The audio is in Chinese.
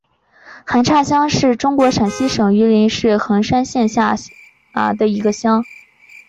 韩岔乡是中国陕西省榆林市横山县下辖的一个乡。